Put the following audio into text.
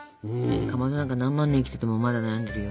かまどなんか何万年生きててもまだ悩んでるよ。